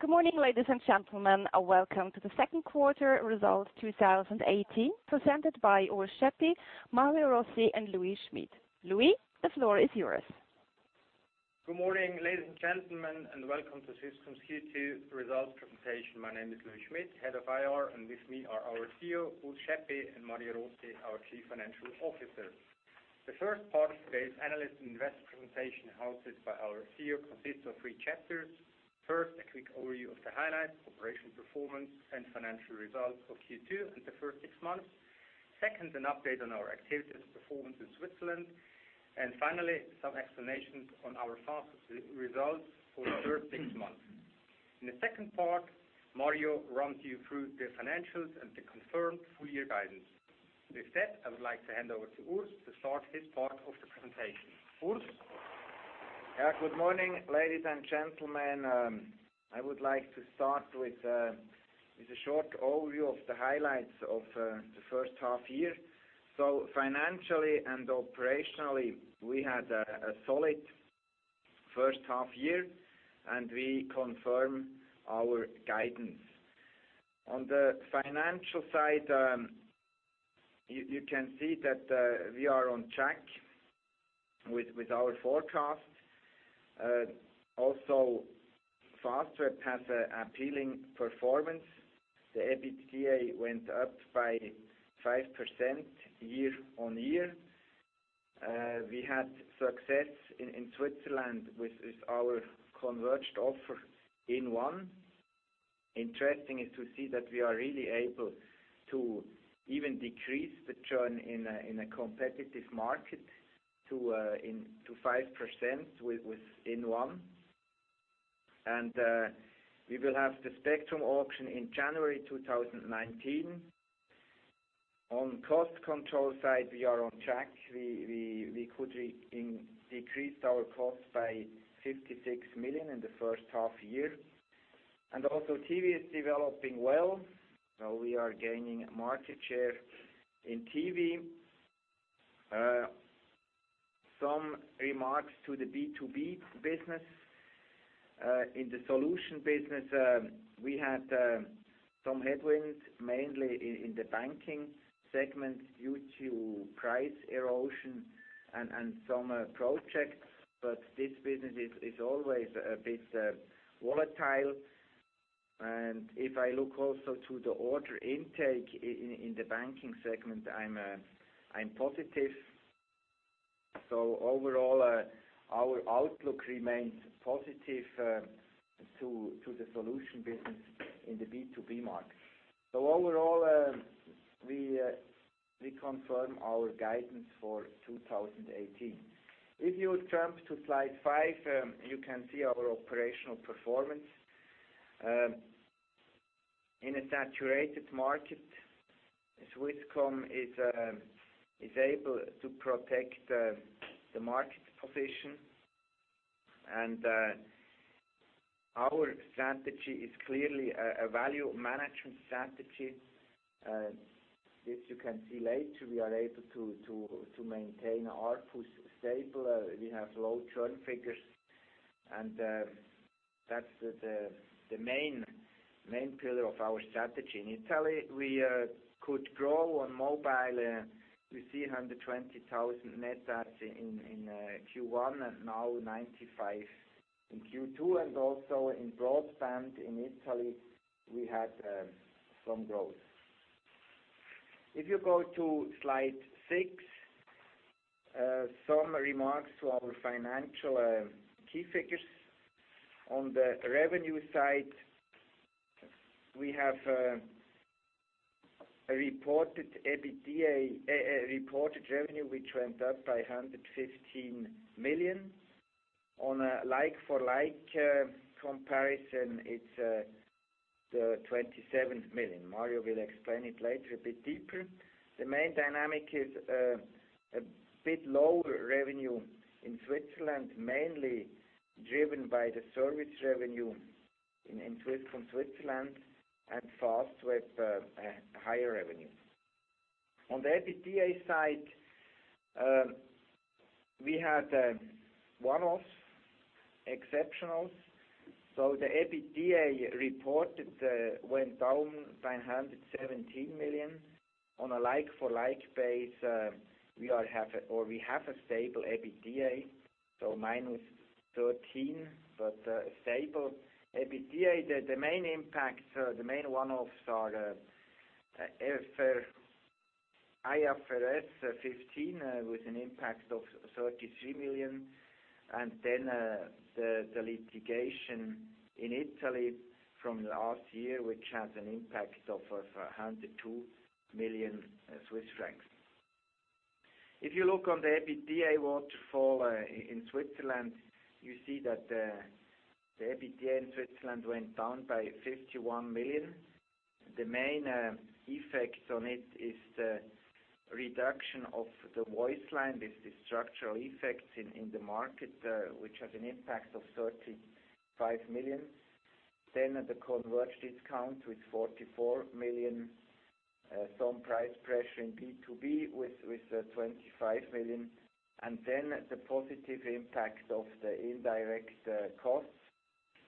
Good morning, ladies and gentlemen. Welcome to the second quarter results 2018, presented by Urs Schaeppi, Mario Rossi, and Louis Schmid. Louis, the floor is yours. Good morning, ladies and gentlemen, and welcome to Swisscom's Q2 results presentation. My name is Louis Schmid, Head of IR, and with me are our CEO, Urs Schaeppi, and Mario Rossi, our Chief Financial Officer. The first part of today's analyst investor presentation, hosted by our CEO, consists of three chapters. First, a quick overview of the highlights, operational performance, and financial results for Q2 and the first six months. Second, an update on our activities performance in Switzerland. Finally, some explanations on our Fastweb results for the first six months. In the second part, Mario runs you through the financials and the confirmed full-year guidance. With that, I would like to hand over to Urs to start his part of the presentation. Urs? Good morning, ladies and gentlemen. I would like to start with a short overview of the highlights of the first half year. Financially and operationally, we had a solid first half year, and we confirm our guidance. On the financial side, you can see that we are on track with our forecast. Also, Fastweb has appealing performance. The EBITDA went up by 5% year-on-year. We had success in Switzerland with our converged offer inOne. Interesting is to see that we are really able to even decrease the churn in a competitive market to 5% with inOne. We will have the spectrum auction in January 2019. On cost control side, we are on track. We could decrease our cost by 56 million in the first half year. Also TV is developing well. We are gaining market share in TV. Some remarks to the B2B business. In the solution business, we had some headwinds, mainly in the banking segment due to price erosion and some projects, this business is always a bit volatile. If I look also to the order intake in the banking segment, I'm positive. Overall, our outlook remains positive to the solution business in the B2B market. Overall, we confirm our guidance for 2018. If you jump to slide five, you can see our operational performance. In a saturated market, Swisscom is able to protect the market position. Our strategy is clearly a value management strategy. This you can see later, we are able to maintain ARPU stable. We have low churn figures, and that's the main pillar of our strategy. In Italy, we could grow on mobile. We see 120,000 net adds in Q1 and now 95 in Q2, and also in broadband in Italy, we had some growth. If you go to slide six, some remarks to our financial key figures. On the revenue side, we have a reported revenue which went up by 115 million. On a like-for-like comparison, it's 27 million. Mario will explain it later a bit deeper. The main dynamic is a bit lower revenue in Switzerland, mainly driven by the service revenue in Swisscom Switzerland and Fastweb higher revenue. On the EBITDA side, we had a one-off exceptional. The EBITDA reported went down by 117 million. On a like-for-like base, we have a stable EBITDA, so minus 13, but a stable EBITDA. The main one-offs are IFRS 15 with an impact of 33 million, and the litigation in Italy from last year, which has an impact of 102 million Swiss francs. If you look on the EBITDA waterfall in Switzerland, you see that the EBITDA in Switzerland went down by 51 million. The main effect on it is the reduction of the voice line. It's the structural effects in the market, which has an impact of 35 million. At the converged discount with 44 million, some price pressure in B2B with 25 million, and the positive impact of the indirect costs,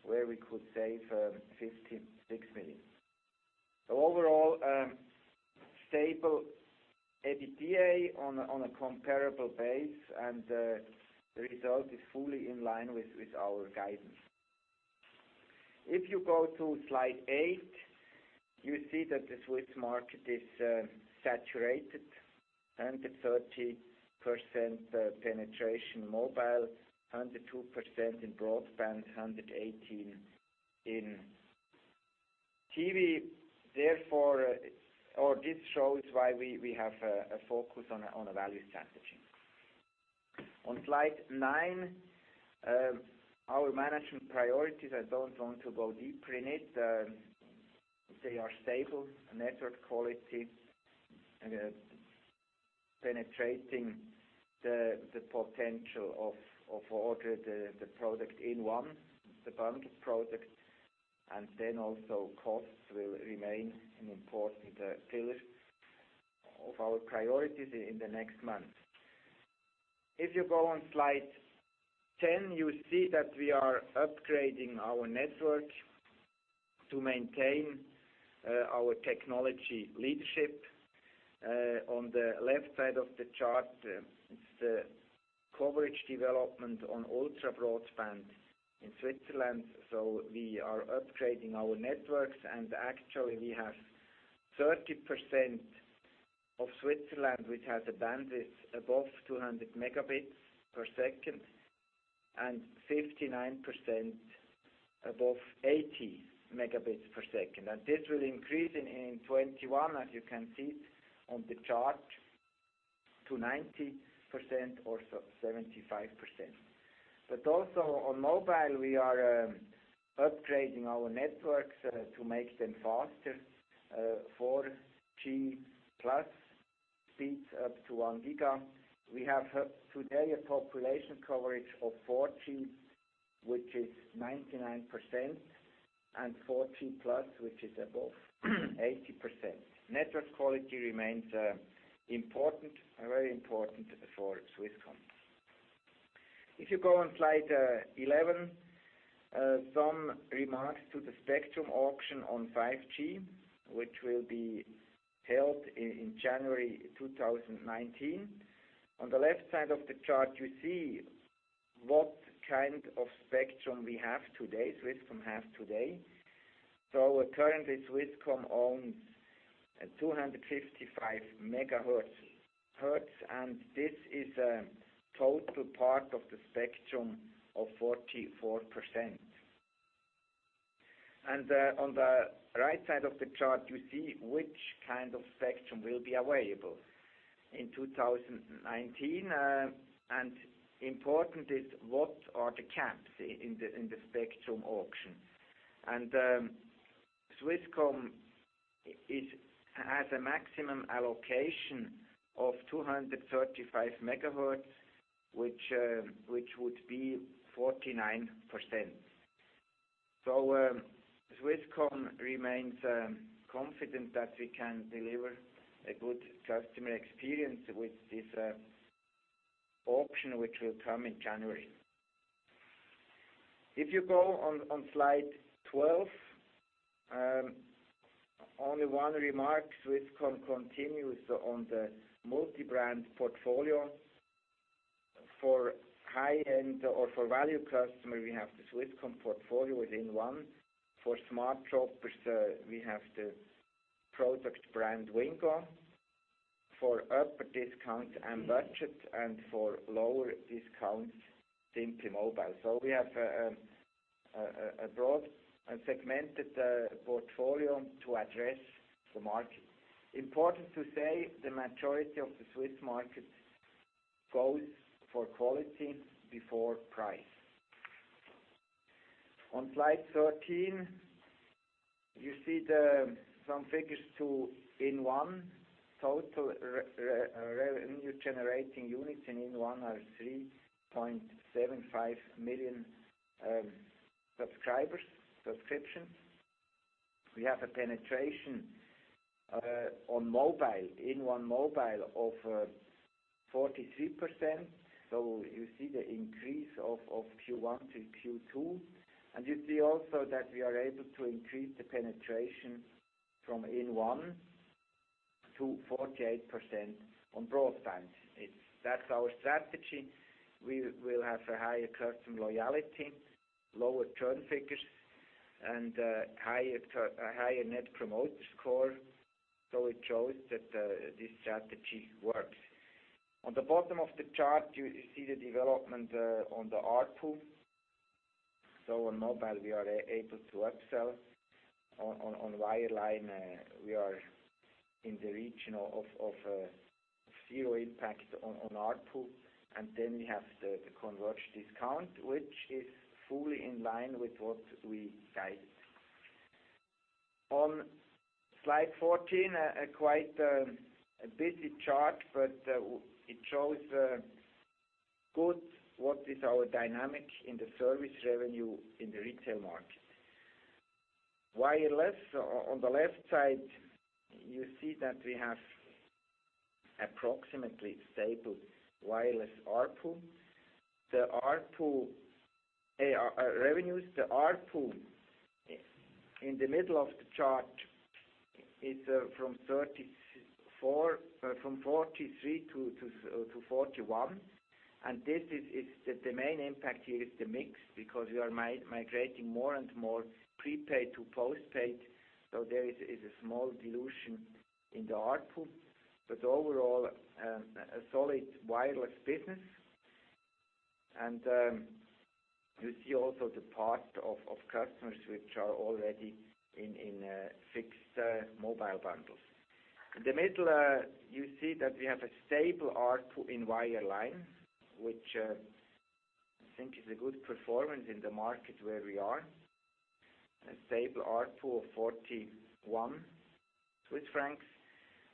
where we could save 16 million. Overall, stable EBITDA on a comparable base, and the result is fully in line with our guidance. If you go to slide eight, you see that the Swiss market is saturated. 130% penetration mobile, 102% in broadband, 118% in TV. This shows why we have a focus on a value strategy. On slide nine, our management priorities. I don't want to go deeper in it. They are stable. Network quality, penetrating the potential of all the product inOne, the bundled product, and also costs will remain an important pillar of our priorities in the next months. If you go on slide 10, you see that we are upgrading our network to maintain our technology leadership. On the left side of the chart, it's the coverage development on ultra-broadband in Switzerland. We are upgrading our networks, and actually, we have 30% of Switzerland which has a bandwidth above 200 Mbps, and 59% above 80 Mbps. This will increase in 2021, as you can see on the chart, to 90% or 75%. Also on mobile, we are upgrading our networks to make them faster. 4G+ speeds up to 1 Gbps. We have today a population coverage of 4G, which is 99%, and 4G+, which is above 80%. Network quality remains very important for Swisscom. If you go on slide 11, some remarks to the spectrum auction on 5G, which will be held in January 2019. On the left side of the chart, you see what kind of spectrum Swisscom has today. Currently, Swisscom owns 255 MHz, and this is a total part of the spectrum of 44%. On the right side of the chart, you see which kind of spectrum will be available in 2019. Important is what are the caps in the spectrum auction. Swisscom has a maximum allocation of 235 MHz, which would be 49%. Swisscom remains confident that we can deliver a good customer experience with this auction, which will come in January. On slide 12, only one remark. Swisscom continues on the multi-brand portfolio. For high-end or for value customer, we have the Swisscom portfolio within inOne. For smart shoppers, we have the product brand Wingo. For upper discount, M-Budget, and for lower discounts, SimplyMobile. We have a broad segmented portfolio to address the market. Important to say, the majority of the Swiss market goes for quality before price. On slide 13, you see some figures to inOne. Total revenue-generating units in inOne are 3.75 million subscriptions. We have a penetration on inOne mobile of 43%. You see the increase of Q1 to Q2. You see also that we are able to increase the penetration from inOne to 48% on broadband. That's our strategy. We will have a higher customer loyalty, lower churn figures, and a higher NPS. It shows that this strategy works. On the bottom of the chart, you see the development on the ARPU. On mobile, we are able to upsell. On wireline, we are in the region of zero impact on ARPU. We have the converged discount, which is fully in line with what we guided. On slide 14, a quite busy chart, but it shows good what is our dynamic in the service revenue in the retail market. Wireless, on the left side, you see that we have approximately stable wireless ARPU. The ARPU revenues. The ARPU in the middle of the chart is from 43 to 41. The main impact here is the mix, because we are migrating more and more prepaid to postpaid. There is a small dilution in the ARPU. Overall, a solid wireless business. You see also the part of customers which are already in fixed mobile bundles. In the middle, you see that we have a stable ARPU in wireline, which I think is a good performance in the market where we are. A stable ARPU of CHF 41.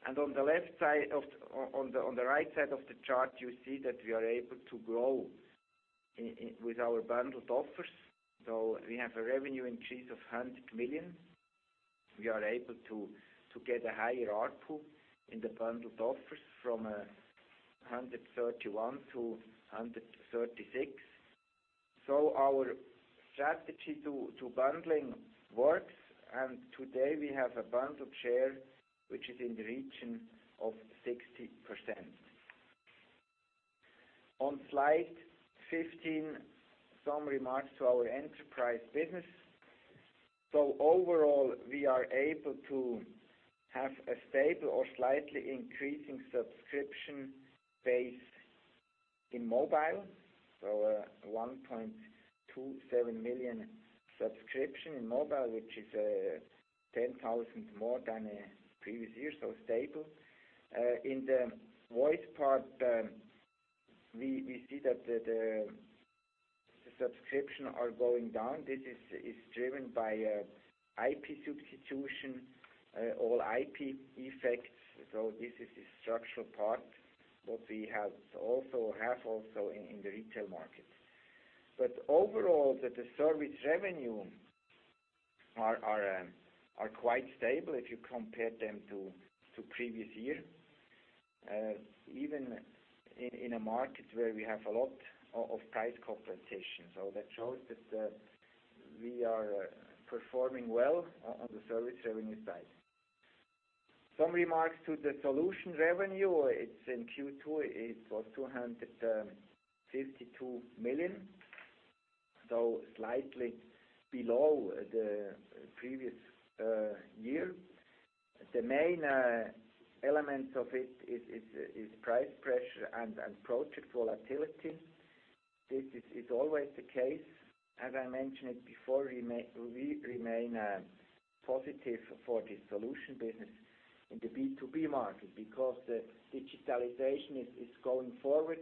On the right side of the chart, you see that we are able to grow with our bundled offers. We have a revenue increase of 100 million. We are able to get a higher ARPU in the bundled offers from 131 to 136. Our strategy to bundling works, and today we have a bundled share which is in the region of 60%. On slide 15, some remarks to our enterprise business. Overall, we are able to have a stable or slightly increasing subscription base in mobile. 1.27 million subscriptions in mobile, which is 10,000 more than previous year, stable. In the voice part, we see that the subscriptions are going down. This is driven by IP substitution, All-IP effects. This is the structural part, what we have also in the retail market. Overall, the service revenue are quite stable if you compare them to previous year, even in a market where we have a lot of price confrontation. That shows that we are performing well on the service revenue side. Some remarks to the solution revenue. In Q2, it was 252 million. Slightly below the previous year. The main element of it is price pressure and project volatility. This is always the case. As I mentioned it before, we remain positive for the solution business in the B2B market because the digitalization is going forward.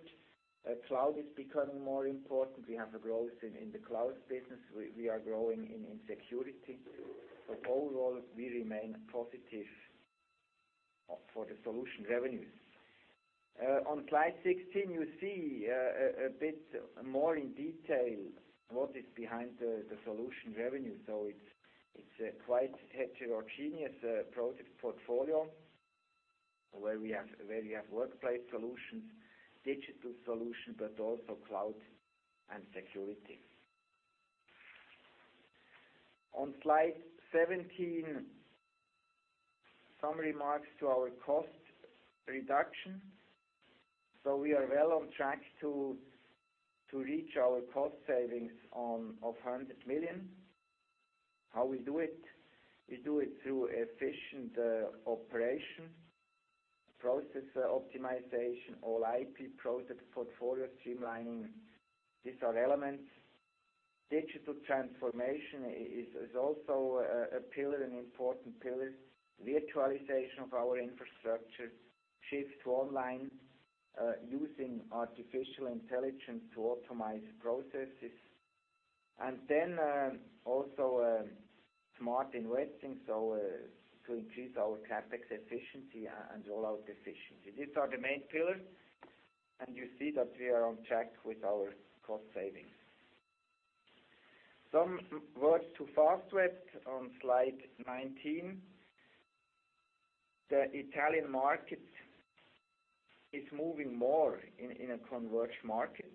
Cloud is becoming more important. We have a growth in the cloud business. We are growing in security. Overall, we remain positive for the solution revenues. On slide 16, you see a bit more in detail what is behind the solution revenue. It's a quite heterogeneous project portfolio where we have workplace solutions, digital solution, but also cloud and security. On slide 17, some remarks to our cost reduction. We are well on track to reach our cost savings of 100 million. How we do it? We do it through efficient operation, process optimization, All-IP product portfolio streamlining. These are elements. Digital transformation is also a pillar, an important pillar. Virtualization of our infrastructure, shift to online, using artificial intelligence to optimize processes. Smart investing to increase our CapEx efficiency and roll-out efficiency. These are the main pillars, and you see that we are on track with our cost savings. Some words to Fastweb on slide 19. The Italian market is moving more in a converged market.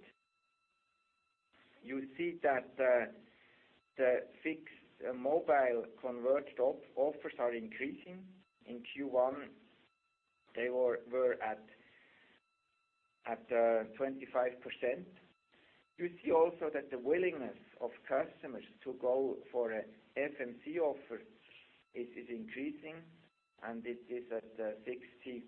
You see that the fixed mobile converged offers are increasing. In Q1, they were at 25%. You see also that the willingness of customers to go for a FMC offer is increasing, and it is at 64%.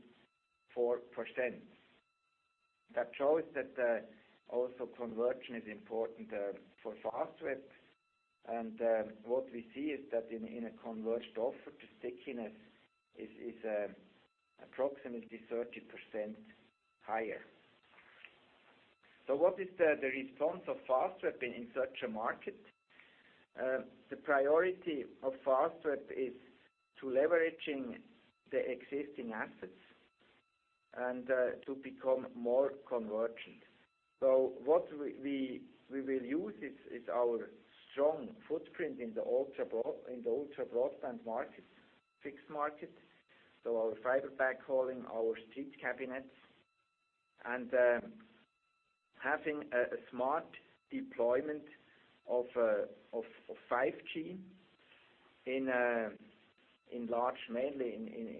That shows that also conversion is important for Fastweb. What we see is that in a converged offer, the stickiness is approximately 30% higher. What is the response of Fastweb in such a market? The priority of Fastweb is to leveraging the existing assets and to become more convergent. What we will use is our strong footprint in the ultra-broadband market, fixed market. Our fiber backhauling, our street cabinets, and having a smart deployment of 5G mainly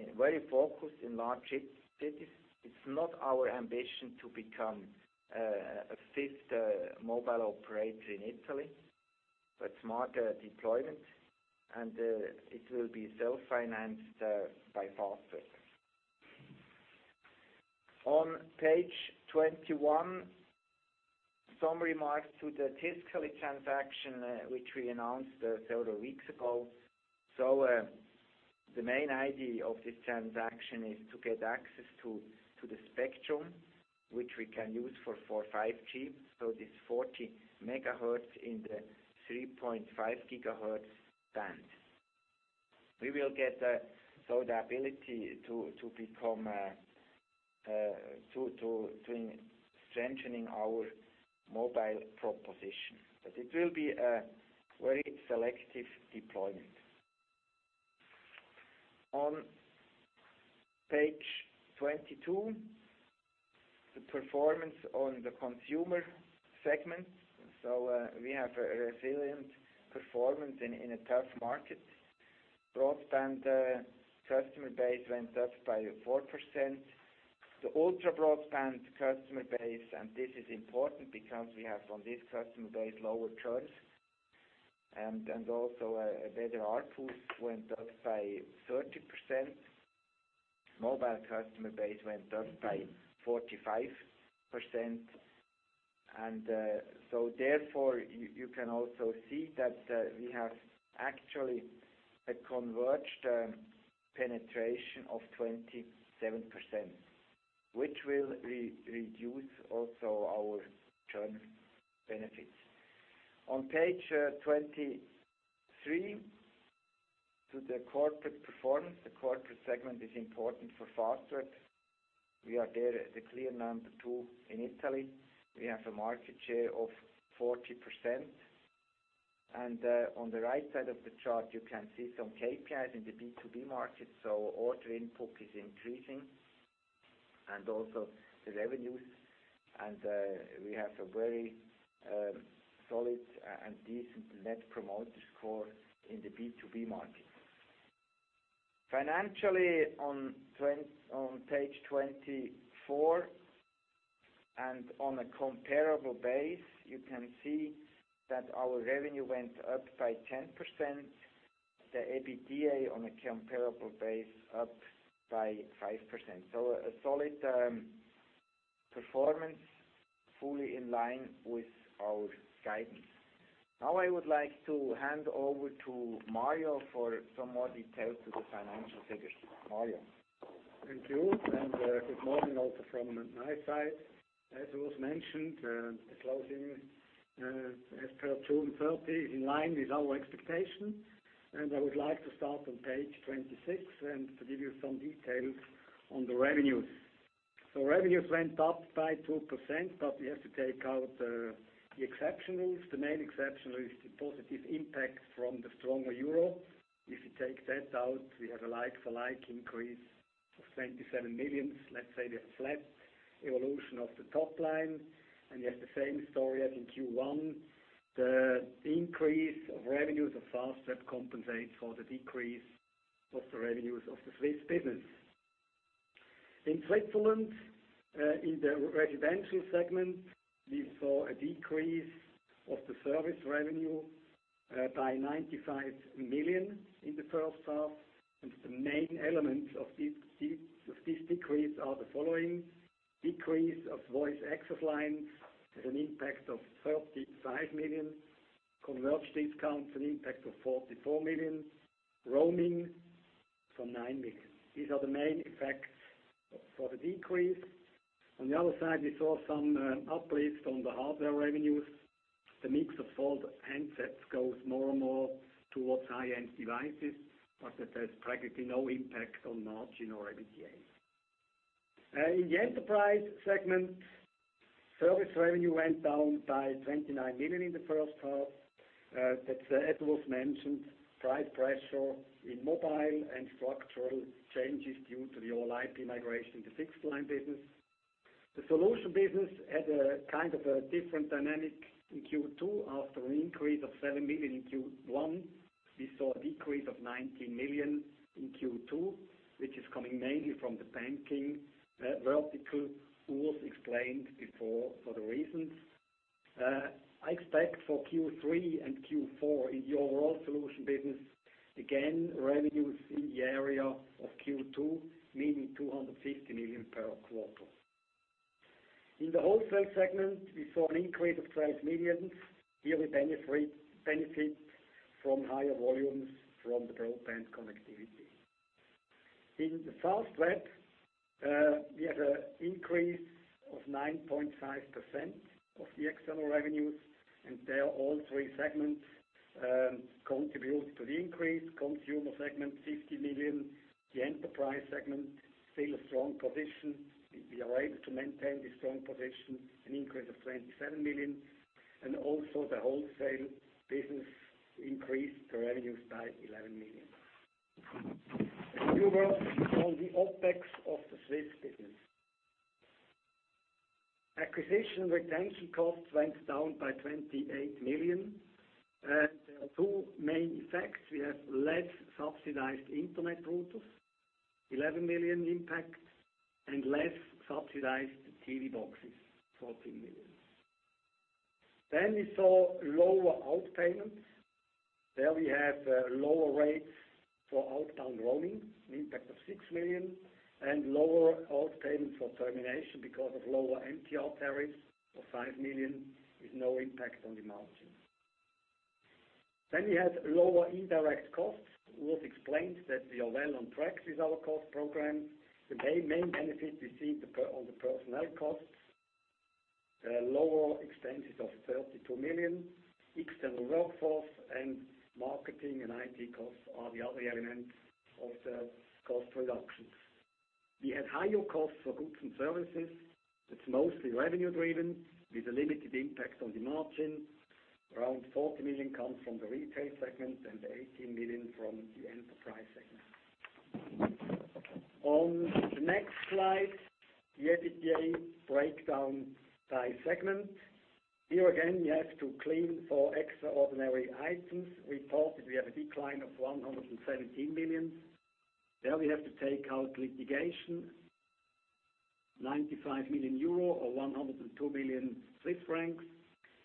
in very focused and large cities. It's not our ambition to become a fifth mobile operator in Italy, but smarter deployment, and it will be self-financed by Fastweb. On page 21, some remarks to the Tiscali transaction which we announced several weeks ago. The main idea of this transaction is to get access to the spectrum, which we can use for 5G. This 40 megahertz in the 3.5 GHz band. We will get the ability to strengthening our mobile proposition. It will be a very selective deployment. On page 22, the performance on the consumer segment. We have a resilient performance in a tough market. Broadband customer base went up by 4%. The ultra-broadband customer base, and this is important because we have, on this customer base, lower churns and also a better ARPU, went up by 30%. Mobile customer base went up by 45%. You can also see that we have actually a converged penetration of 27%, which will reduce also our churn benefits. On page 23, to the corporate performance. The corporate segment is important for Fastweb. We are there the clear number two in Italy. We have a market share of 40%. On the right side of the chart, you can see some KPIs in the B2B market. Order input is increasing and also the revenues. We have a very solid and decent Net Promoter Score in the B2B market. Financially on page 24 and on a comparable base, you can see that our revenue went up by 10%, the EBITDA on a comparable base up by 5%. A solid performance fully in line with our guidance. Now I would like to hand over to Mario for some more details to the financial figures. Mario. Thank you. Good morning also from my side. As was mentioned, the closing as per June 30 is in line with our expectation. I would like to start on page 26 and to give you some details on the revenues. Revenues went up by 2%, we have to take out the exceptionals. The main exceptional is the positive impact from the stronger euro. If you take that out, we have a like-for-like increase of 27 million. Let's say we have a flat evolution of the top line, we have the same story as in Q1. The increase of revenues of Fastweb compensates for the decrease of the revenues of the Swiss business. In Switzerland, in the residential segment, we saw a decrease of the service revenue by 95 million in the first half, the main elements of this decrease are the following: decrease of voice access lines had an impact of 35 million; converged discounts, an impact of 44 million; roaming for 9 million. These are the main effects for the decrease. On the other side, we saw some uplift on the hardware revenues. The mix of sold handsets goes more and more towards high-end devices. That has practically no impact on margin or EBITDA. In the enterprise segment, service revenue went down by 29 million in the first half. As was mentioned, price pressure in mobile and structural changes due to the All-IP migration in the fixed line business. The solution business had a different dynamic in Q2. After an increase of 7 million in Q1, we saw a decrease of 19 million in Q2, which is coming mainly from the banking vertical. Urs explained before for the reasons. I expect for Q3 and Q4 in the overall solution business, again, revenues in the area of Q2, meaning 250 million per quarter. In the wholesale segment, we saw an increase of 12 million. Here we benefit from higher volumes from the broadband connectivity. In the Fastweb, we had an increase of 9.5% of the external revenues, there all three segments contribute to the increase. Consumer segment, 50 million. The enterprise segment, still a strong position. We are able to maintain the strong position, an increase of 27 million. Also the wholesale business increased the revenues by CHF 11 million. A few words on the OpEx of the Swiss business. Acquisition retention costs went down by 28 million. There are two main effects. We have less subsidized internet routers, 11 million impact, and less subsidized TV boxes, 14 million. We saw lower out-payments. There we have lower rates for outbound roaming, an impact of 6 million, and lower out-payments for termination because of lower MTR tariffs of 5 million with no impact on the margin. We had lower indirect costs, Urs Schaeppi explained that we are well on track with our cost program. The main benefit we see on the personnel costs, lower expenses of 32 million, external workforce and marketing and IT costs are the other elements of the cost reductions. We had higher costs for goods and services. It is mostly revenue-driven with a limited impact on the margin. Around 40 million comes from the retail segment and 18 million from the enterprise segment. On the next slide, the EBITDA breakdown by segment. Here again, we have to clean for extraordinary items. We thought that we have a decline of 117 million. There we have to take out litigation, 95 million euro or 102 million Swiss francs.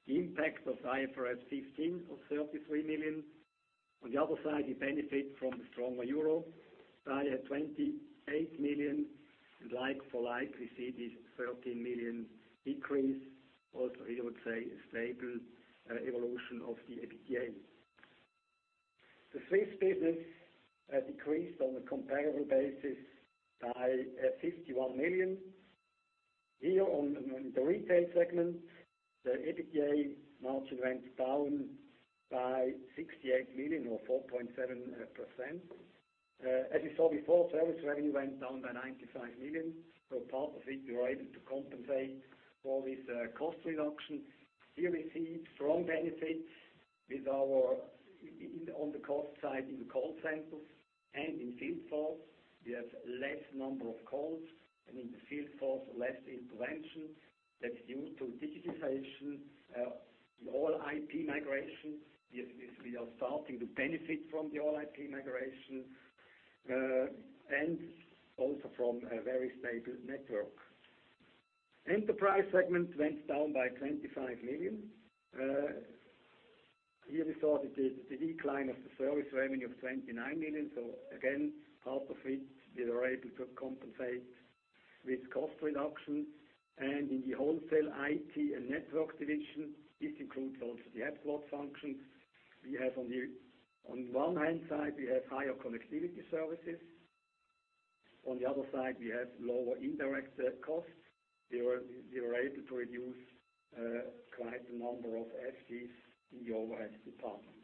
The impact of IFRS 15 of 33 million. On the other side, we benefit from the stronger euro by 28 million. Like for like, we see this 13 million decrease. Also, we would say a stable evolution of the EBITDA. The Swiss business decreased on a comparable basis by 51 million. Here on the retail segment, the EBITDA margin went down by 68 million or 4.7%. As you saw before, service revenue went down by 95 million. Part of it, we were able to compensate for this cost reduction. Here we see strong benefits on the cost side in the call centers and in field force. We have less number of calls and in the field force, less intervention. That's due to digitization. The All-IP migration, we are starting to benefit from the All-IP migration, and also from a very stable network. Enterprise segment went down by 25 million. Here we saw the decline of the service revenue of 29 million. Again, part of it, we were able to compensate with cost reduction. In the wholesale IT and network division, this includes also the [App Plot] functions. On one hand side, we have higher connectivity services. On the other side, we have lower indirect costs. We were able to reduce quite a number of FTEs in the OV department.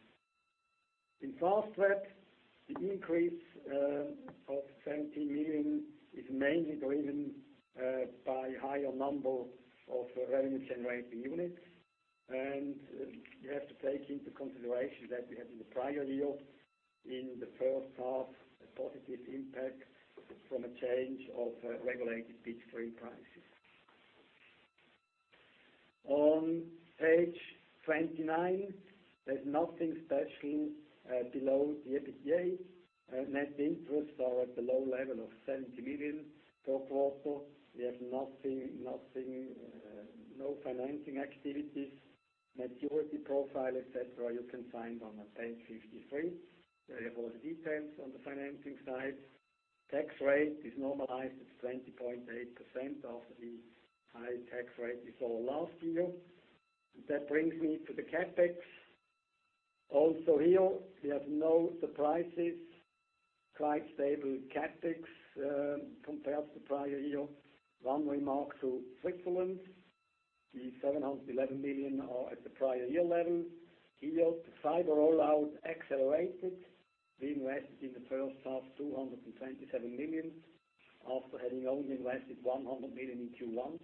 In Fastweb, the increase of 17 million is mainly driven by higher number of RGUs. You have to take into consideration that we had in the prior year, in the first half, a positive impact from a change of regulated bitstream prices. On page 29, there's nothing special below the EBITDA. Net interests are at the low level of 70 million. Also, we have no financing activities. Maturity profile, et cetera, you can find on page 53. There you have all the details on the financing side. Tax rate is normalized at 20.8% after the high tax rate we saw last year. That brings me to the CapEx. Also here, we have no surprises. Quite stable CapEx compared to prior year. One remark to Switzerland: the 711 million are at the prior year level. Here the fiber rollout accelerated. We invested in the first half 227 million after having only invested 100 million in Q1.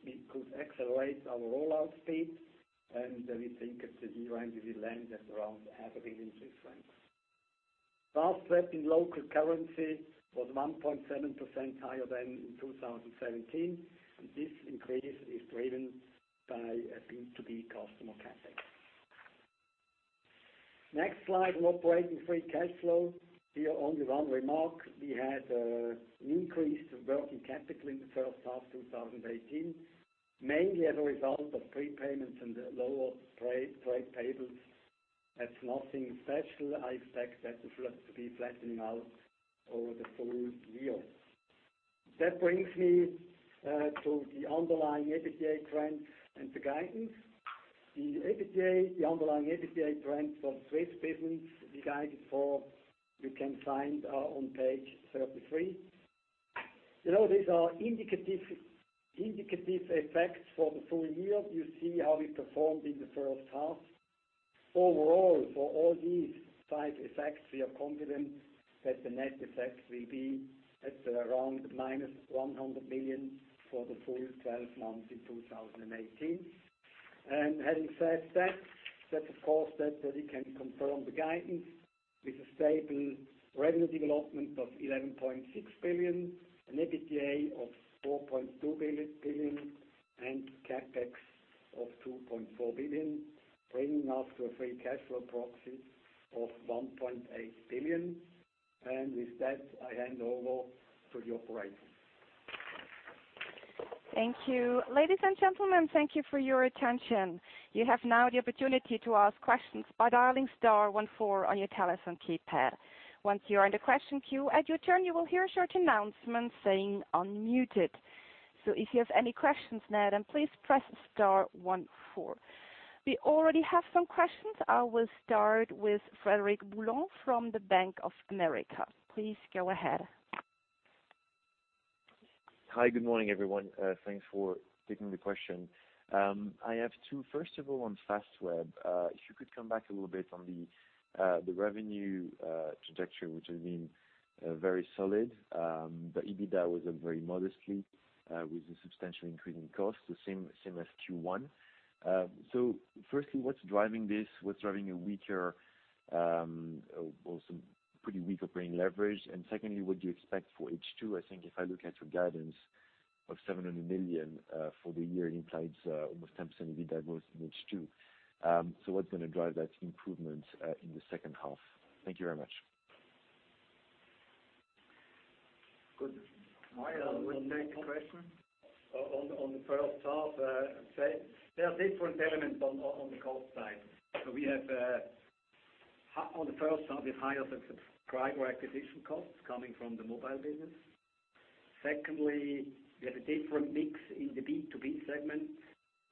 We could accelerate our rollout speed, and we think at the year-end, we will land at around half a billion Swiss francs. Fastweb in local currency was 1.7% higher than in 2017, and this increase is driven by a B2B customer CapEx. Next slide on operating free cash flow. Here, only one remark. We had an increase of working capital in the first half 2018, mainly as a result of prepayments and lower trade payables. That's nothing special. I expect that to be flattening out over the full year. That brings me to the underlying EBITDA trends and the guidance. The underlying EBITDA trends for the Swiss business, the guidance for you can find on page 33. These are indicative effects for the full year. You see how we performed in the first half. Overall, for all these five effects, we are confident that the net effect will be at around minus 100 million for the full 12 months in 2018. Having said that, of course, we can confirm the guidance with a stable revenue development of 11.6 billion, an EBITDA of 4.2 billion and CapEx of 2.4 billion, bringing us to a free cash flow proxy of 1.8 billion. With that, I hand over to the operator. Thank you. Ladies and gentlemen, thank you for your attention. You have now the opportunity to ask questions by dialing star one four on your telephone keypad. Once you are in the question queue, at your turn, you will hear a short announcement saying, "Unmuted." If you have any questions now, please press star one four. We already have some questions. I will start with Frederic Boulan from the Bank of America. Please go ahead. Hi. Good morning, everyone. Thanks for taking the question. I have two. First of all, on Fastweb. If you could come back a little bit on the revenue trajectory, which has been very solid. The EBITDA was up very modestly with a substantial increase in cost, the same as Q1. Firstly, what's driving this? What's driving a weaker, well, some pretty weaker margin leverage. Secondly, what do you expect for H2? I think if I look at your guidance of 700 million for the year, it implies almost 10% EBITDA growth in H2. What's going to drive that improvement in the second half? Thank you very much. Good. Mario, would you take the question? On the first half, I'd say there are different elements on the cost side. We have on the first half is higher subscriber acquisition costs coming from the mobile business. Secondly, we have a different mix in the B2B segment.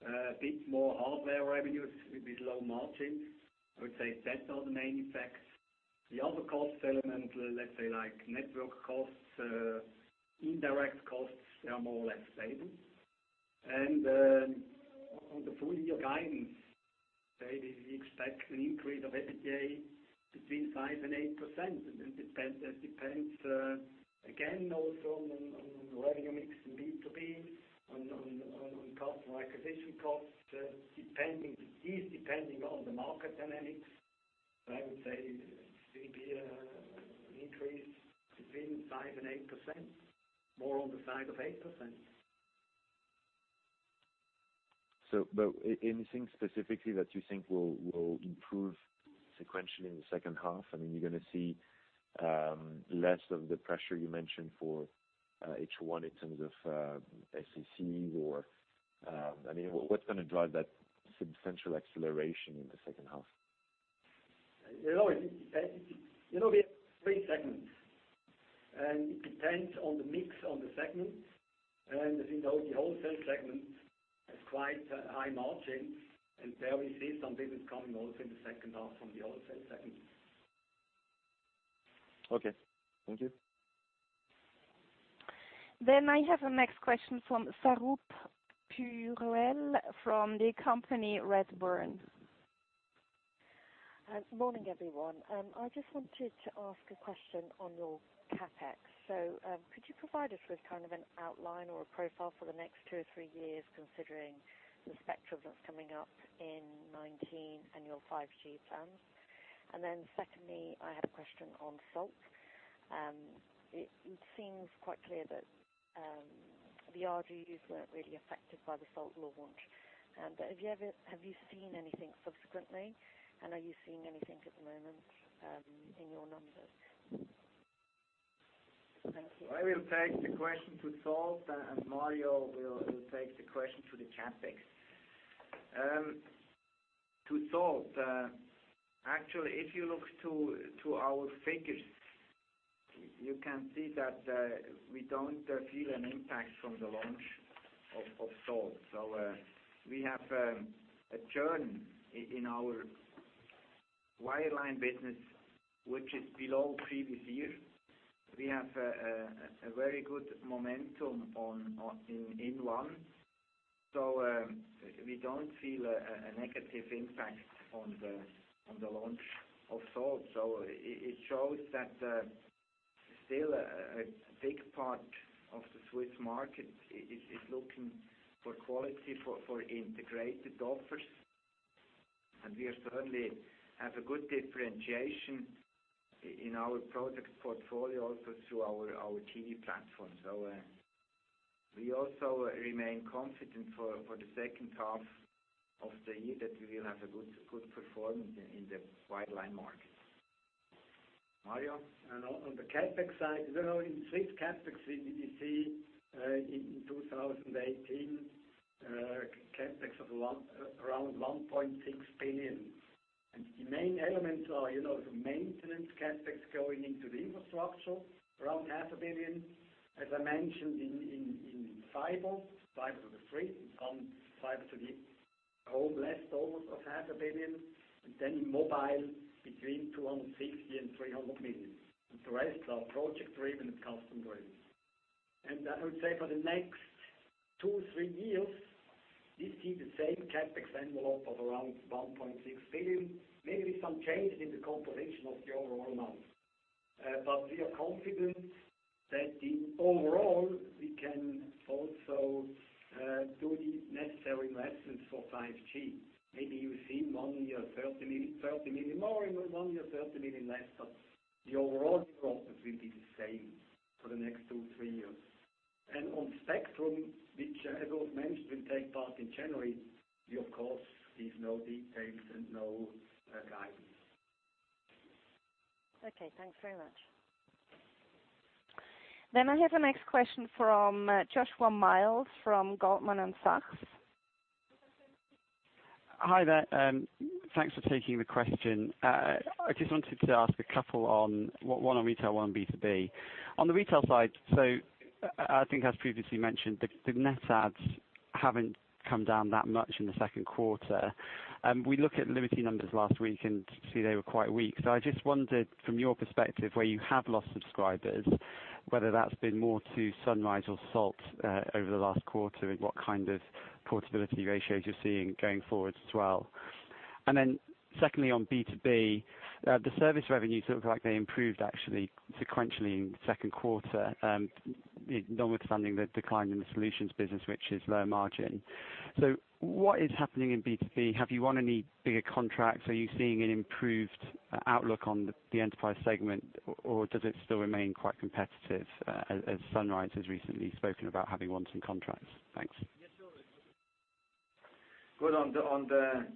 A bit more hardware revenues with low margin. I would say that are the main effects. The other cost element, let's say like network costs, indirect costs, they are more or less stable. On the full year guidance, we expect an increase of EBITDA between 5% and 8%. That depends again also on the revenue mix in B2B, on customer acquisition costs. These depending on the market dynamics, but I would say EBITDA increase between 5% and 8%, more on the side of 8%. Anything specifically that you think will improve sequentially in the second half? I mean, you're going to see less of the pressure you mentioned for H1 in terms of SAC or, I mean, what's going to drive that substantial acceleration in the second half? You know, we have three segments, and it depends on the mix on the segments. As you know, the wholesale segment has quite a high margin, and there we see some business coming also in the second half from the wholesale segment. Okay. Thank you. I have a next question from Swaroop Purewal from Redburn. Morning, everyone. I just wanted to ask a question on your CapEx. Could you provide us with an outline or a profile for the next two or three years, considering the spectrum that's coming up in 2019 and your 5G plans? Secondly, I have a question on Salt. It seems quite clear that the RGUs weren't really affected by the Salt launch. Have you seen anything subsequently, and are you seeing anything at the moment in your numbers? Thank you. I will take the question to Salt, and Mario will take the question to the CapEx. To Salt, actually, if you look to our figures, you can see that we don't feel an impact from the launch of Salt. We have a churn in our wireline business, which is below previous year. We have a very good momentum in inOne. We don't feel a negative impact on the launch of Salt. It shows that still a big part of the Swiss market is looking for quality for integrated offers. We certainly have a good differentiation in our product portfolio also through our TV platform. We also remain confident for the second half of the year that we will have a good performance in the wireline market. Mario? On the CapEx side, in Swiss CapEx, we will see in 2018 a CapEx of around 1.6 billion. The main elements are the maintenance CapEx going into the infrastructure, around CHF half a billion. As I mentioned in fiber to the street from fiber to the home, less almost of CHF half a billion. In mobile, between 260 million and 300 million. The rest are project-driven and customer-driven. I would say for the next two, three years, we see the same CapEx envelope of around 1.6 billion, maybe with some changes in the composition of the overall amount. We are confident that in overall, we can also do the necessary investments for 5G. Maybe you see one year, 30 million more; in one year, 30 million less. The overall envelope will be the same for the next two, three years. On spectrum, which as was mentioned, will take part in January, we of course give no details and no guidance. Okay. Thanks very much. I have the next question from Joshua Mills from Goldman Sachs. Hi there. Thanks for taking the question. I just wanted to ask a couple on, one on retail, one on B2B. On the retail side, I think as previously mentioned, the net adds haven't come down that much in the second quarter. We looked at Liberty Global numbers last week and see they were quite weak. I just wondered from your perspective, where you have lost subscribers, whether that's been more to Sunrise or Salt, over the last quarter, and what kind of portability ratios you're seeing going forward as well. Secondly, on B2B, the service revenues looked like they improved actually sequentially in the second quarter, notwithstanding the decline in the solutions business, which is low margin. What is happening in B2B? Have you won any bigger contracts? Are you seeing an improved outlook on the enterprise segment, or does it still remain quite competitive, as Sunrise has recently spoken about having won some contracts? Thanks. Yeah, sure. Good. On the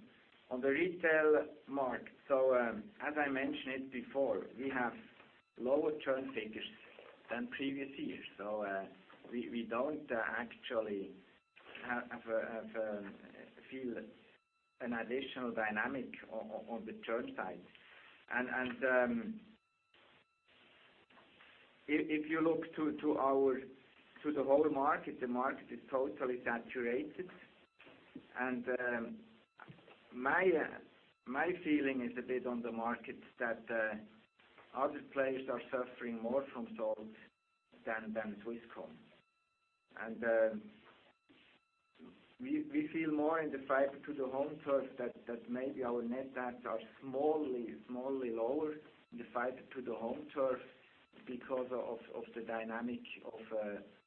retail mark. As I mentioned it before, we have lower churn figures than previous years. We don't actually feel an additional dynamic on the churn side. If you look to the whole market, the market is totally saturated. My feeling is a bit on the market that other players are suffering more from Salt than Swisscom. We feel more in the fiber-to-the-home turf that maybe our net adds are smally lower in the fiber-to-the-home turf because of the dynamic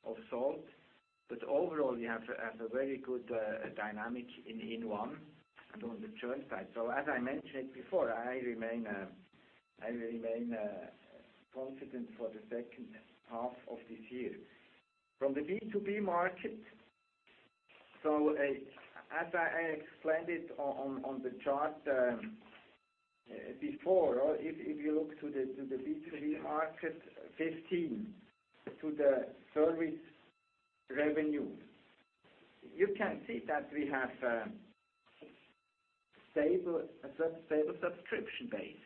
of Salt. Overall, we have a very good dynamic in inOne and on the churn side. As I mentioned before, I remain confident for the second half of this year. From the B2B market, as I explained it on the chart before, or if you look to the B2B market 15 to the service revenue, you can see that we have a stable subscription base.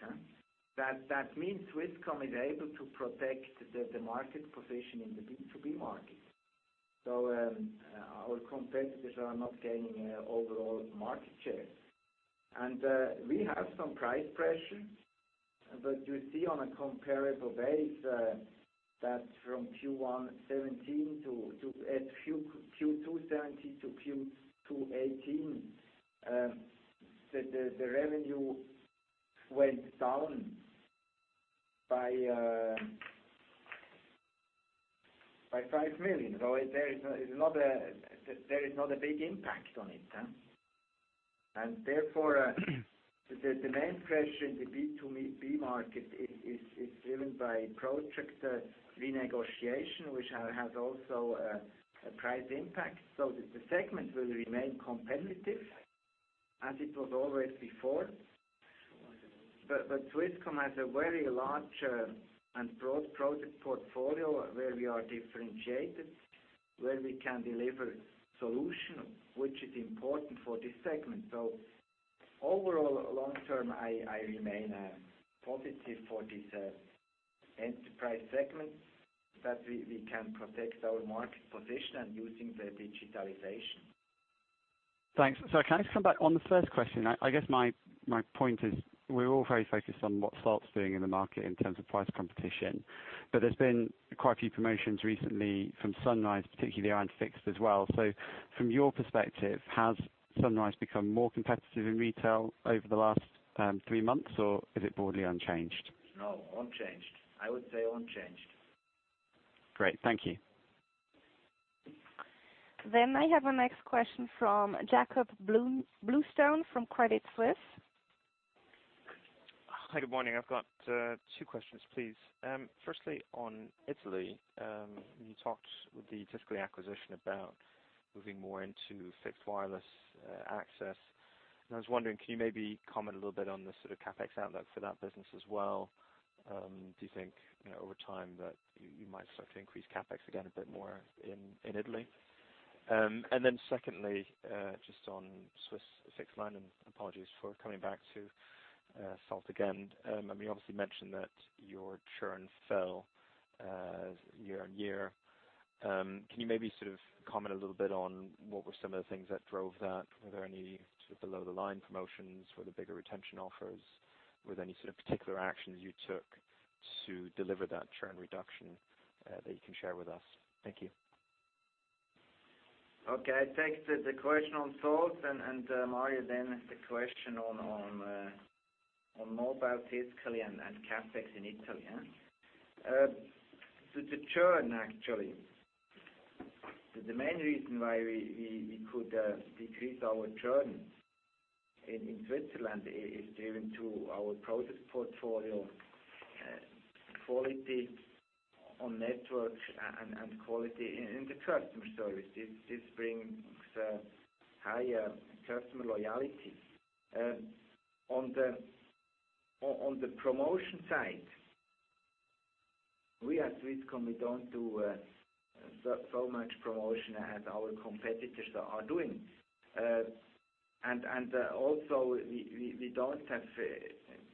That means Swisscom is able to protect the market position in the B2B market. Our competitors are not gaining overall market share. We have some price pressure. You see on a comparable base, that from Q2 2017 to Q2 2018, the revenue went down by 5 million. There is not a big impact on it. Therefore the main pressure in the B2B market is driven by project renegotiation, which has also a price impact. The segment will remain competitive as it was always before. Swisscom has a very large and broad project portfolio where we are differentiated, where we can deliver solution, which is important for this segment. Overall, long-term, I remain positive for this enterprise segment that we can protect our market position and using the digitalization. Thanks. Can I just come back on the first question? I guess my point is, we're all very focused on what Salt's doing in the market in terms of price competition. There's been quite a few promotions recently from Sunrise, particularly around fixed as well. From your perspective, has Sunrise become more competitive in retail over the last three months, or is it broadly unchanged? No, unchanged. I would say unchanged. Great. Thank you. I have a next question from Jakob Bluestone from Credit Suisse. Hi, good morning. I've got two questions, please. Firstly, on Italy. You talked with the Tiscali acquisition about moving more into fixed wireless access. I was wondering, can you maybe comment a little bit on the sort of CapEx outlook for that business as well? Do you think over time that you might start to increase CapEx again a bit more in Italy? Secondly, just on Swiss fixed line, and apologies for coming back to Salt again. You obviously mentioned that your churn fell year-on-year. Can you maybe comment a little bit on what were some of the things that drove that? Were there any below-the-line promotions? Were there bigger retention offers? Were there any particular actions you took to deliver that churn reduction that you can share with us? Thank you. Okay. I take the question on Salt and, Mario, then the question on mobile Tiscali and CapEx in Italy. To the churn, actually. The main reason why we could decrease our churn in Switzerland is due to our product portfolio quality on networks and quality in the customer service. This brings higher customer loyalty. On the promotion side, we at Swisscom, we don't do so much promotion as our competitors are doing. Also, we don't have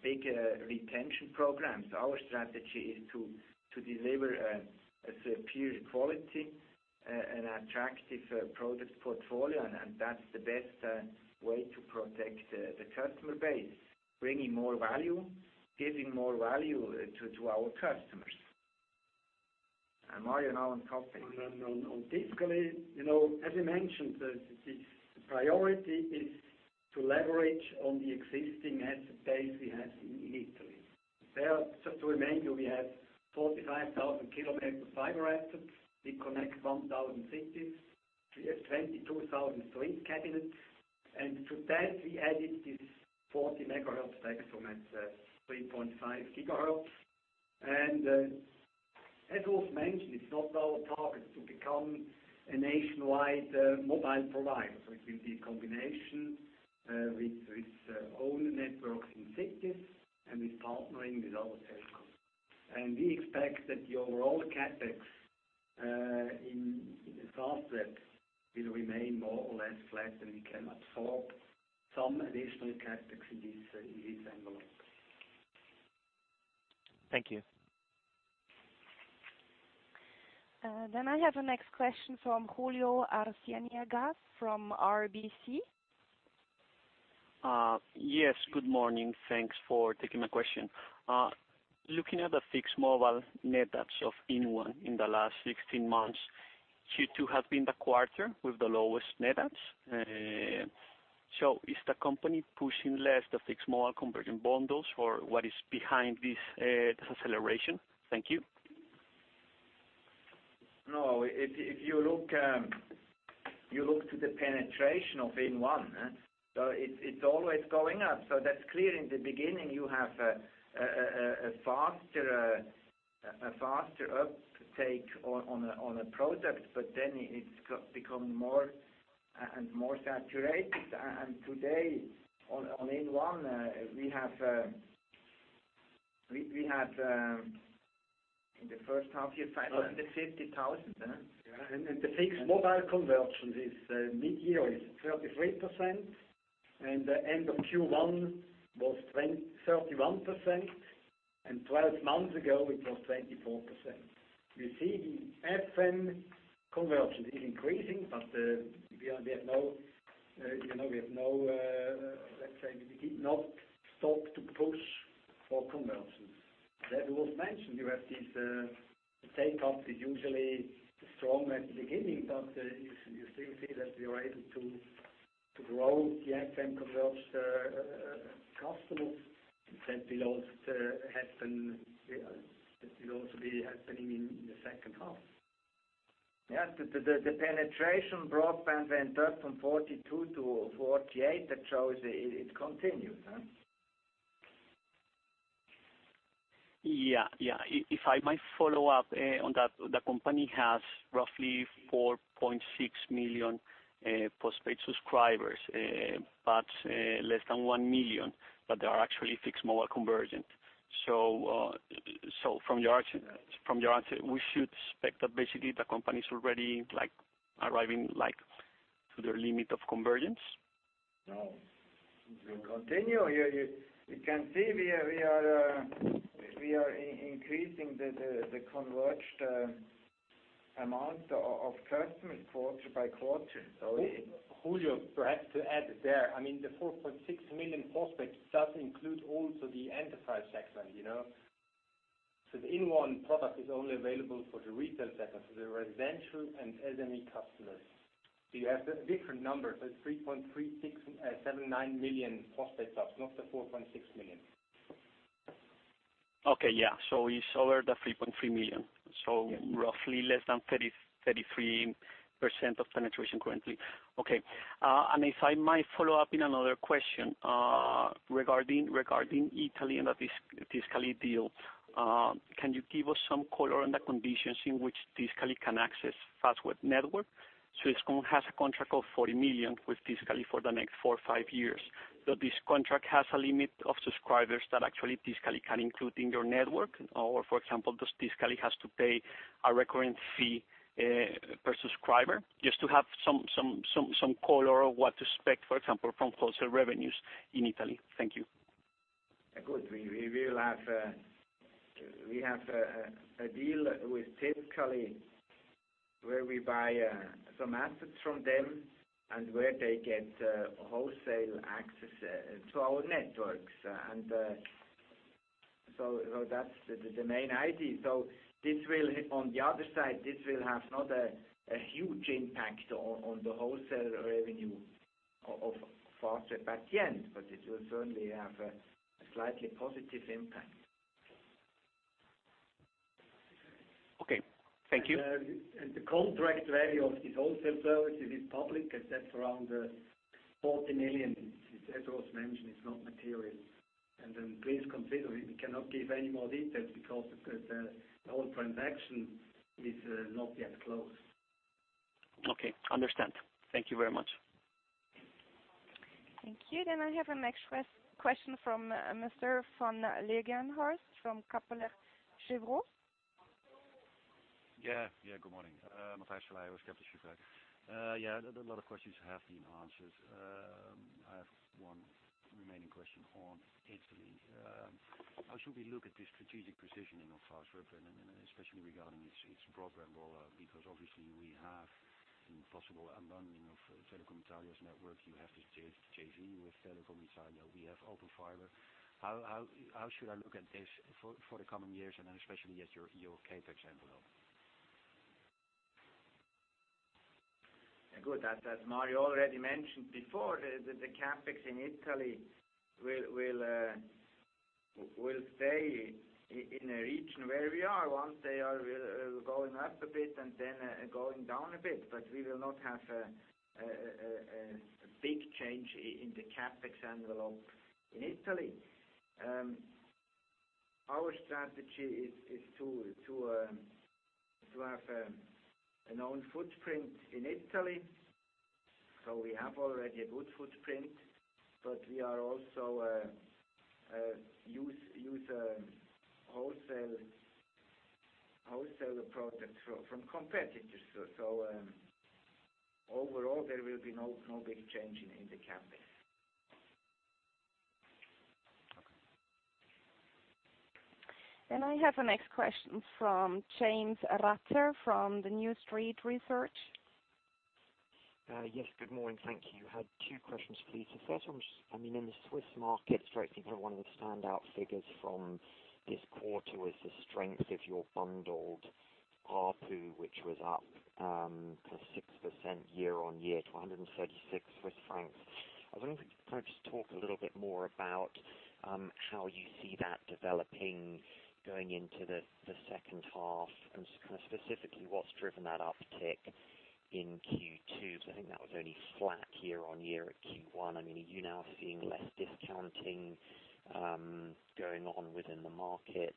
bigger retention programs. Our strategy is to deliver a superior quality and attractive product portfolio, and that's the best way to protect the customer base. Bringing more value, giving more value to our customers. Mario, now on CapEx. On Tiscali, as we mentioned the priority is to leverage on the existing asset base we have in Italy. There, just to remind you, we have 45,000 kilometers of fiber assets. We connect 1,000 cities. We have 22,000 street cabinets. To that, we added this 40 MHz spectrum at 3.5 GHz. As was mentioned, it's not our target to become a nationwide mobile provider. It will be a combination with its own networks in cities and with partnering with other telcos. And we expect that the overall CapEx in Fastweb will remain more or less flat, and we can absorb some additional CapEx in this envelope. Thank you. I have the next question from Julio Arciniega from RBC. Yes, good morning. Thanks for taking my question. Looking at the fixed mobile net adds of inOne in the last 16 months, Q2 has been the quarter with the lowest net adds. Is the company pushing less the fixed mobile convergent bundles, or what is behind this deceleration? Thank you. If you look to the penetration of inOne, it's always going up. That's clear. In the beginning, you have a faster uptake on a product, it's become more and more saturated. Today on inOne, we had in the first half year, 550,000. The fixed mobile conversion this mid-year is 33%, end of Q1 was 31%, 12 months ago, it was 24%. We see the FM conversion is increasing, even though we have not stopped to push for conversions. As was mentioned, the take-up is usually strong at the beginning, you still see that we are able to grow the FM converged customers. That will also be happening in the second half. The penetration broadband went up from 42% to 48%. That shows it continues. If I might follow up on that. The company has roughly 4.6 million postpaid subscribers. Less than 1 million that are actually fixed mobile convergent. From your answer, we should expect that basically the company's already arriving to their limit of convergence? No. We'll continue. You can see we are increasing the converged amount of customers quarter by quarter. Julio, perhaps to add there, the 4.6 million prospects does include also the enterprise segment. The inOne product is only available for the retail segment, the residential and SME customers. You have different numbers, the 3.379 million postpaid subs, not the 4.6 million. Okay. Yeah. It's over the 3.3 million. Yeah. Roughly less than 33% of penetration currently. Okay. If I might follow up in another question regarding Italy and the Tiscali deal. Can you give us some color on the conditions in which Tiscali can access Fastweb network? Swisscom has a contract of 40 million with Tiscali for the next four or five years. This contract has a limit of subscribers that actually Tiscali can include in your network? For example, does Tiscali has to pay a recurring fee per subscriber? Just to have some color of what to expect, for example, from wholesale revenues in Italy. Thank you. Good. We have a deal with Tiscali where we buy some assets from them and where they get wholesale access to our networks. That's the main idea. On the other side, this will have not a huge impact on the wholesale revenue of Fastweb at the end, but it will certainly have a slightly positive impact. Okay. Thank you. The contract value of this wholesale services is public, and that's around 40 million. As was mentioned, it's not material. Then please consider we cannot give any more details because the whole transaction is not yet closed. Okay. Understand. Thank you very much. Thank you. I have a next question from Mr. van Leijenhorst from Kepler Cheuvreux. Good morning. Matthias with Kepler Cheuvreux. A lot of questions have been answered. I have one remaining question on Italy. How should we look at this strategic positioning of Fastweb, and especially regarding its program roll-out, because obviously we have the possible unbundling of Telecom Italia's network. You have this JV with Telecom Italia. We have Open Fiber. How should I look at this for the coming years and especially at your CapEx envelope? Good. As Mario already mentioned before, the CapEx in Italy will stay in a region where we are. One day it will go up a bit and then go down a bit. We will not have a big change in the CapEx envelope in Italy. Our strategy is to have a known footprint in Italy. We have already a good footprint, but we are also use wholesale products from competitors. Overall, there will be no big change in the CapEx. Okay. I have the next question from James Ratzer from the New Street Research. Yes. Good morning. Thank you. I had two questions, please. The first one, in the Swiss market, straightaway, one of the standout figures from this quarter was the strength of your bundled ARPU, which was up 6% year-over-year to 136 Swiss francs. I was wondering if you could just talk a little bit more about how you see that developing going into the second half and just specifically what's driven that uptick in Q2. Because I think that was only flat year-over-year at Q1. Are you now seeing less discounting going on within the market?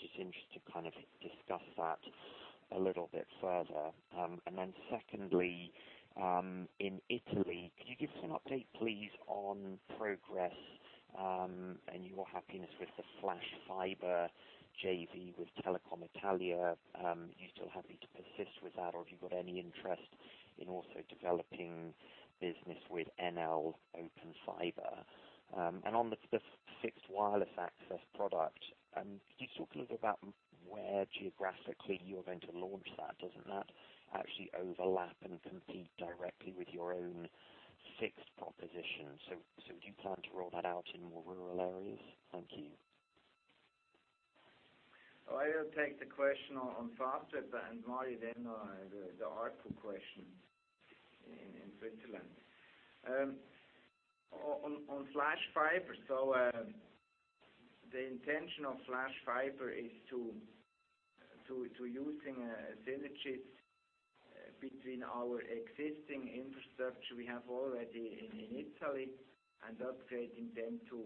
Just interested to discuss that a little bit further. Secondly, in Italy, could you give us an update, please, on progress and your happiness with the Flash Fiber JV with Telecom Italia? Are you still happy to persist with that, or have you got any interest in also developing business with Enel Open Fiber? On the fixed wireless access product, could you talk a little bit about where geographically you're going to launch that? Doesn't that actually overlap and compete directly with your own fixed proposition? Do you plan to roll that out in more rural areas? Thank you. I will take the question on Fastweb and Mario then the ARPU question in Switzerland. On Flash Fiber, the intention of Flash Fiber is to using synergies between our existing infrastructure we have already in Italy and upgrading them to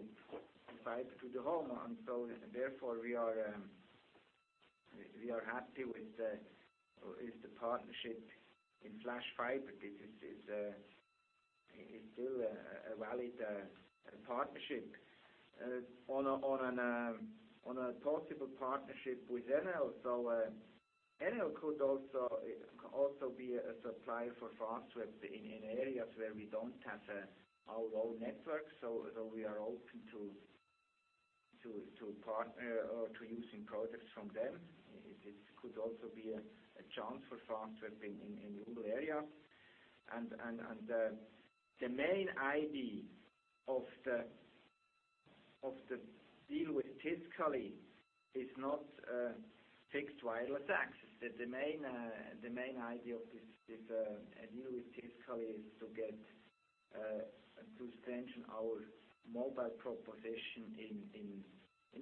Fiber to the Home. Therefore, we are happy with the partnership in Flash Fiber. This is still a valid partnership. On a possible partnership with Enel. Enel could also be a supplier for Fastweb in areas where we don't have our own network. We are open to using products from them. It could also be a chance for Fastweb in rural areas. The main idea of the deal with Tiscali is not fixed wireless access. The main idea of this deal with Tiscali is to extend our mobile proposition in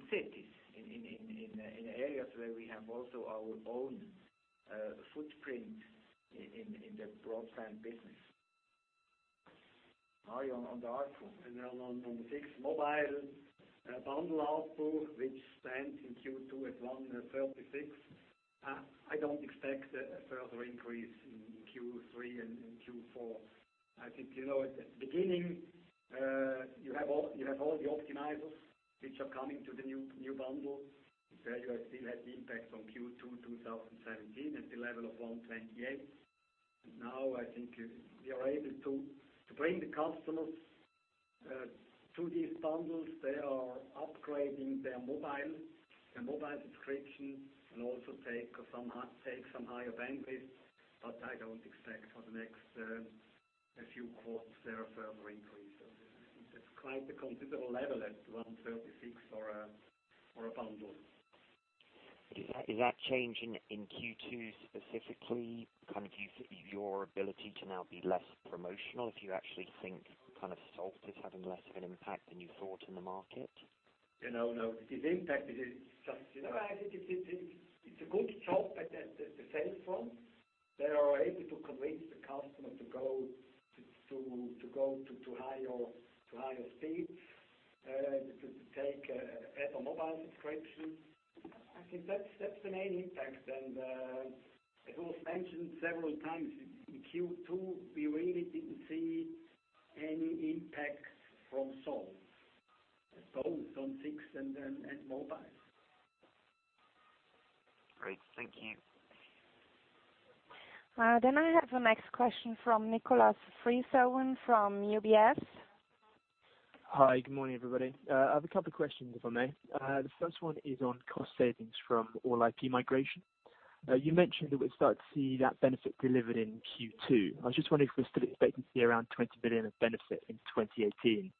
cities. In areas where we have also our own footprint in the broadband business. Mario on the ARPU. On the fixed mobile bundle ARPU, which stands in Q2 at 136. I don't expect a further increase in Q3 and Q4. I think at the beginning, you have all the optimizers which are coming to the new bundle. There you still had the impact on Q2 2017 at the level of 128. Now I think we are able to bring the customers to these bundles. They are upgrading their mobile subscription and also take some higher bandwidth, but I don't expect for the next few quarters there a further increase. It's quite a considerable level at 136 for a bundle. Is that change in Q2 specifically kind of due to your ability to now be less promotional? Do you actually think Salt is having less of an impact than you thought in the market? No. I think it's a good job at the sales front. They are able to convince the customer to go to higher speeds, to take Natel infinity mobile subscription. I think that's the main impact. It was mentioned several times in Q2, we really didn't see any impact from Salt on fixed and mobile. Great. Thank you. I have the next question from Nicholas Freeseven from UBS. Hi, good morning, everybody. I have a couple questions, if I may. The first one is on cost savings from All-IP migration. You mentioned that we'd start to see that benefit delivered in Q2. I was just wondering if we're still expecting to see around 20 billion of benefit in 2018.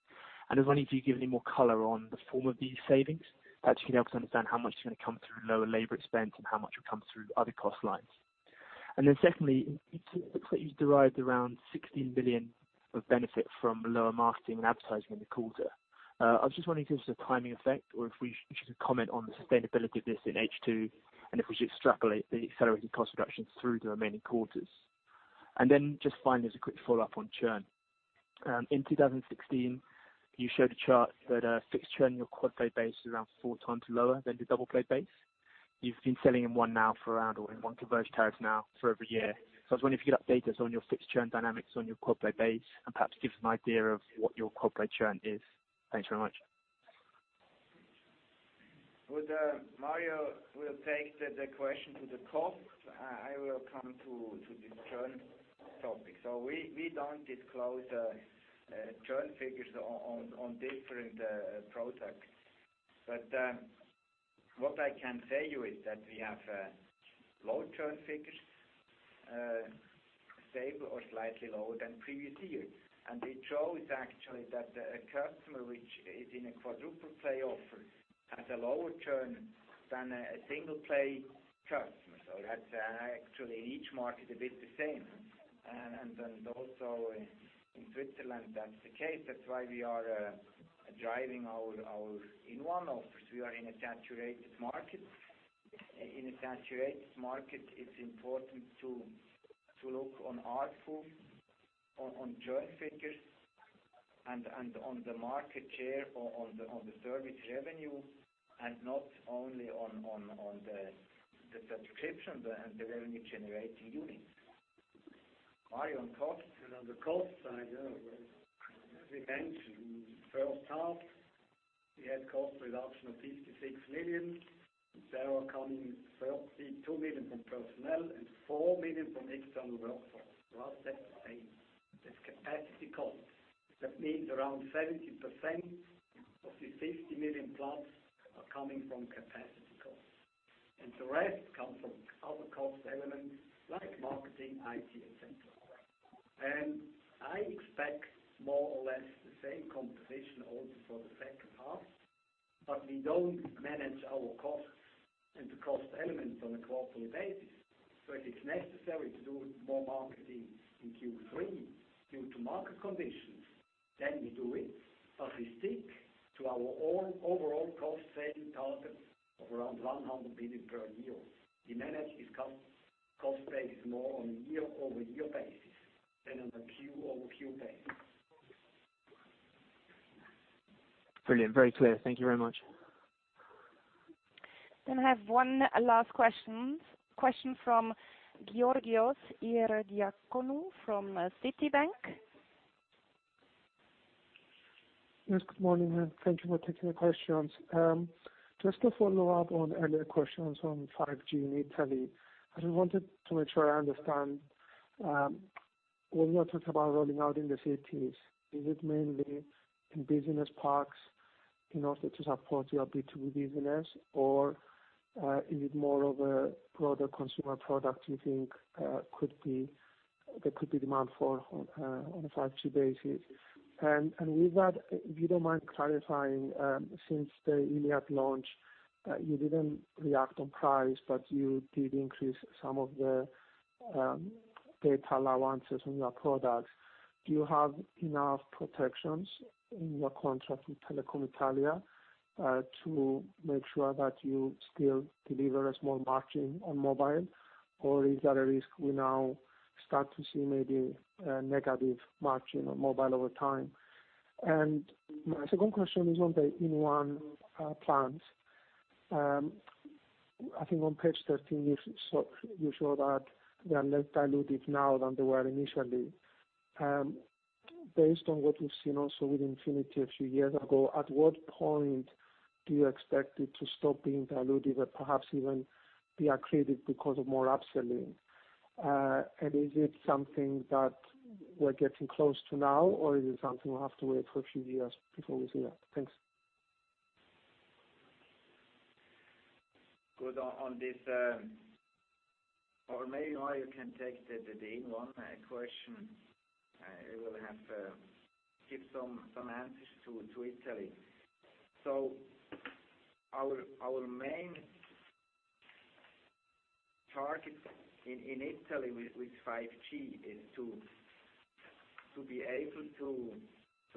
I was wondering if you could give any more color on the form of these savings, perhaps you can help us understand how much is going to come through lower labor expense and how much will come through other cost lines. Secondly, it looks like you've derived around 16 billion of benefit from lower marketing and advertising in the quarter. I was just wondering if this is a timing effect, or if we should comment on the sustainability of this in H2, if we should extrapolate the accelerated cost reductions through the remaining quarters. Just finally, as a quick follow-up on churn. In 2016, you showed a chart that fixed churn in your quad-play base was around four times lower than your double-play base. You've been selling inOne now for around or inOne converged tariff now for over a year. I was wondering if you could update us on your fixed churn dynamics on your quad-play base and perhaps give us an idea of what your quad-play churn is. Thanks very much. Mario will take the question to the cost. I will come to this churn topic. We don't disclose churn figures on different products. What I can tell you is that we have low churn figures, stable or slightly lower than previous years. It shows actually that a customer which is in a quadruple play offer has a lower churn than a single play customer. That's actually in each market a bit the same. Also in Switzerland, that's the case. That's why we are driving our inOne offers. We are in a saturated market. In a saturated market, it's important to look on ARPU, on churn figures, and on the market share on the service revenue and not only on the subscription and the revenue generating units. Mario on cost. On the cost side, we mentioned first half we had cost reduction of 56 million. There are coming 32 million from personnel and 4 million from external workforce. That's the same. That's capacity cost. That means around 70% of the 50 million plus are coming from capacity cost. The rest come from other cost elements like marketing, IT, et cetera. I expect more or less the same composition also for the second half. We don't manage our costs and the cost elements on a quarterly basis. If it's necessary to do more marketing in Q3 due to market conditions, then we do it. We stick to our own overall cost-saving target of around 100 million per year. We manage this cost base more on a year-over-year basis than on a Q-over-Q basis. Brilliant. Very clear. Thank you very much. I have one last question. Question from Georgios Ierodiakonou from Citi. Yes, good morning, and thank you for taking the questions. Just a follow-up on earlier questions on 5G in Italy. I just wanted to make sure I understand. When you are talking about rolling out in the cities, is it mainly in business parks in order to support your B2B business? Or is it more of a product, consumer product you think there could be demand for on a 5G basis? With that, if you don't mind clarifying, since the Iliad launch, you didn't react on price, but you did increase some of the data allowances on your products. Do you have enough protections in your contract with Telecom Italia to make sure that you still deliver a small margin on mobile? Or is there a risk we now start to see maybe a negative margin on mobile over time? My second question is on the inOne plans. I think on page 13, you show that they are less dilutive now than they were initially. Based on what we've seen also with Infinity a few years ago, at what point do you expect it to stop being dilutive and perhaps even be accretive because of more upselling? Is it something that we're getting close to now, or is it something we'll have to wait for a few years before we see that? Thanks. Good. Or maybe Mario can take the inOne question. I will have to give some answers to Italy. Our main target in Italy with 5G is to be able to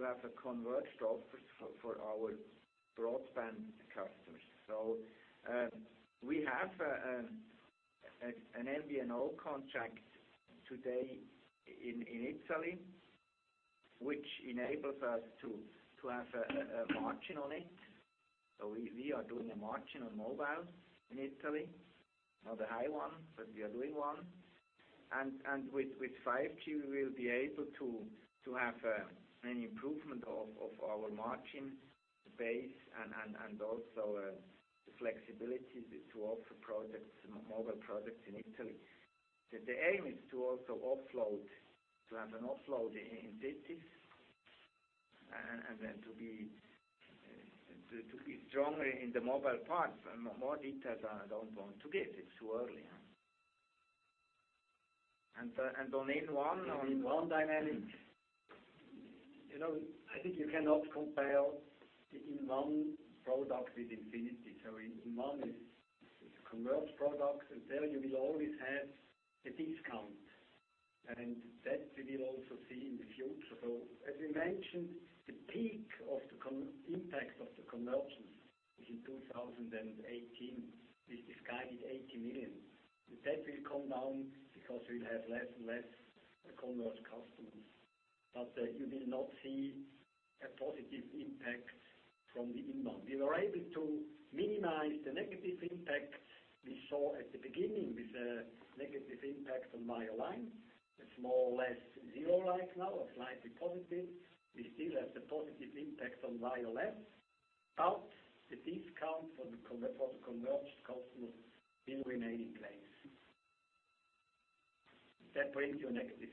have a converged offer for our broadband customers. We have an MVNO contract today in Italy, which enables us to have a margin on it. We are doing a margin on mobile in Italy, not a high one, but we are doing one. With 5G, we will be able to have an improvement of our margin base and also the flexibility to offer mobile products in Italy. The aim is to also offload, to have an offload in cities and then to be stronger in the mobile part. More details I don't want to give. It's too early. On inOne dynamic, I think you cannot compare the inOne product with Infinity. InOne is a converged product, and there you will always have a discount, and that we will also see in the future. As we mentioned, the peak of the impact of the conversion is in 2018. This is guided 80 million. That will come down because we'll have less and less converged customers. You will not see a positive impact from the inOne. We were able to minimize the negative impact we saw at the beginning with a negative impact on top line. It's more or less zero right now or slightly positive. We still have the positive impact on bottom line. The discount for the converged customers will remain in place. That brings you a negative.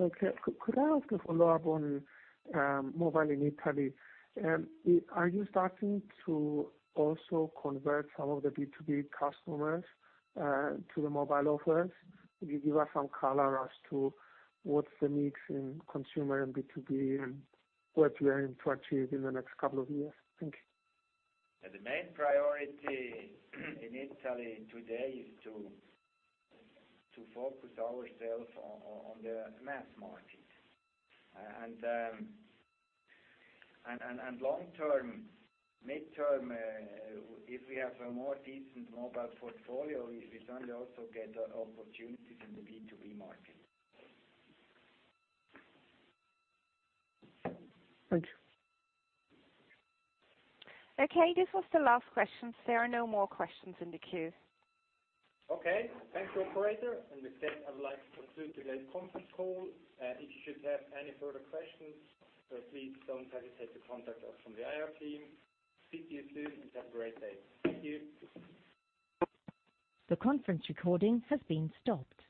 Okay. Could I ask a follow-up on mobile in Italy? Are you starting to also convert some of the B2B customers to the mobile offers? Could you give us some color as to what's the mix in consumer and B2B and what you are aiming to achieve in the next couple of years? Thank you. The main priority in Italy today is to focus ourselves on the mass market. Long-term, midterm, if we have a more decent mobile portfolio, we certainly also get opportunities in the B2B market. Thank you. Okay. This was the last question. There are no more questions in the queue. Okay. Thanks, operator. With that, I would like to conclude today's conference call. If you should have any further questions, please don't hesitate to contact us from the IR team. Speak to you soon, and have a great day. Thank you. The conference recording has been stopped.